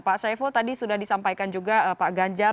pak saiful tadi sudah disampaikan juga pak ganjar